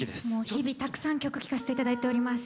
日々たくさん曲聴かせていただいております。